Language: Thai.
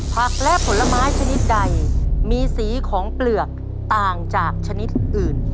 ผลและผลไม้ชนิดใดมีสีของเปลือกต่างจากชนิดอื่น